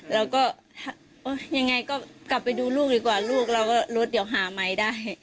เราก็ยังไงก็กลับไปดูลูกดีกว่าลูกเราก็รถเดี๋ยวหาใหม่ได้